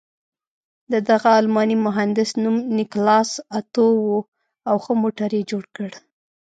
د دغه الماني مهندس نوم نیکلاس اتو و او ښه موټر یې جوړ کړ.